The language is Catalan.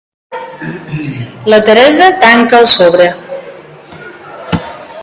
La Teresa tanca el sobre.